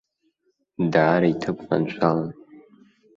Даара иҭыԥ маншәалан.